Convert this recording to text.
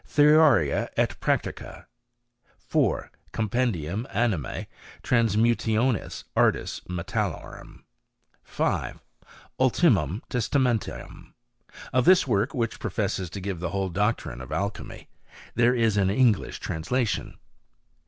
Theoria et Practlca. 4. Compendium Animse Transmutationis Artis Me* tallorum. 5. Ultimum Testamentum. Of this work, which professes to give the whole doctrine of alchymy, there IS an English translation.